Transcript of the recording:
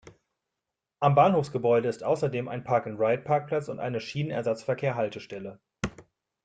Am Bahnhofsgebäude ist außerdem ein Park&Ride-Parkplatz und eine Schienenersatzverkehr-Haltestelle.